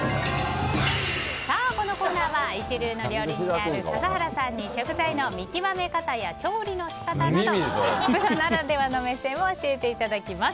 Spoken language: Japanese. このコーナーは一流の料理にである笠原さんに食材の見極め方や調理の仕方などプロならではの目線を教えていただきます。